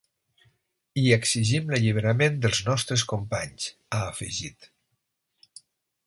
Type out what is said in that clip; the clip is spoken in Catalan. I exigim l’alliberament dels nostres companys, ha afegit.